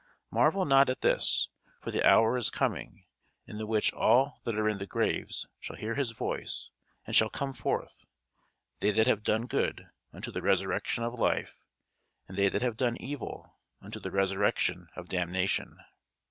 Marvel not at this: for the hour is coming, in the which all that are in the graves shall hear his voice, and shall come forth; they that have done good, unto the resurrection of life; and they that have done evil, unto the resurrection of damnation.